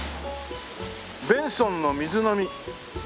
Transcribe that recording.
「ベンソンの水飲み」